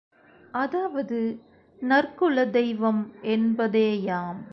அதாவது நற்குல தெய்வம் என்பதேயாம்.